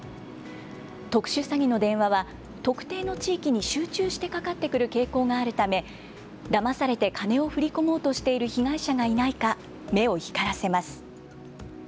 特殊詐欺の電話は特定の地域に集中してかかってくる傾向があるため、だまされて金を振り込もうとしている被害者がいないか目を光らせます。